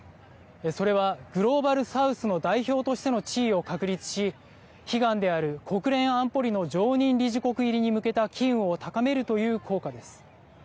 それはグローバル・サウスの代表としての地位を確立し悲願である国連安保理の常任理事国入りに向けた機運を高めるという効果です。